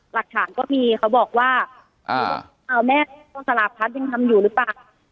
หลักฐานก็มีเขาบอกว่าอ้าวแม่กองสลาพัฒน์ยังทำอยู่หรือเปล่า